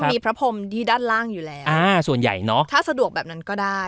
มีพระพรมที่ด้านล่างอยู่แล้วอ่าส่วนใหญ่เนอะถ้าสะดวกแบบนั้นก็ได้